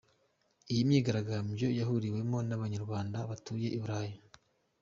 Iyi myigaragambyo yahuriwemo n’abanyarwanda batuye i Burayi.